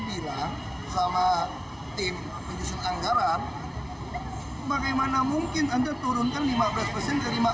itu semua kewajiban mereka